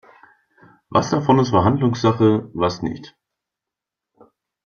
Was davon ist Verhandlungssache, was nicht?